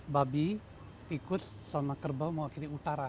babi pikut sama kerbau mewakili utara